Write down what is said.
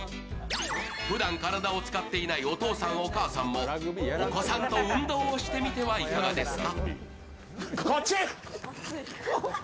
ふだん体を使っていないお父さん、お母さんもお子さんと運動してみてはいかがですか？